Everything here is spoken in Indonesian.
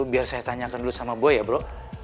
biar saya tanyakan dulu sama buaya ya bro